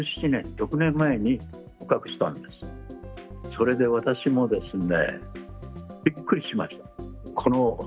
それで私もですね